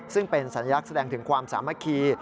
ซึ่งเป็นสัญลักษณ์แสดงถึงความสามัคคี